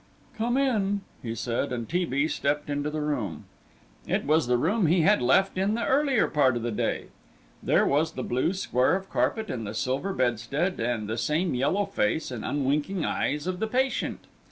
"Come in," he said, and T. B. stepped into the room. It was the room he had left in the earlier part of the day. There was the blue square of carpet and the silver bedstead, and the same yellow face and unwinking eyes of the patient.